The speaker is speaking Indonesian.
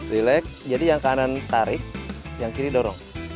relax jadi yang kanan tarik yang kiri dorong